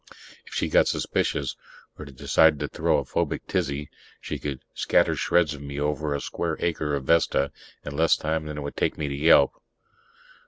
If she got suspicious or decided to throw a phobic tizzy, she could scatter shreds of me over a square acre of Vesta in less time than it would take me to yelp.